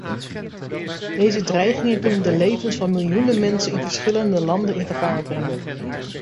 Deze dreigingen kunnen de levens van miljoenen mensen in verschillende landen in gevaar brengen.